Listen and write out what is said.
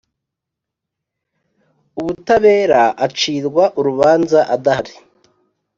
Ubutabera acirwa urubanza adahari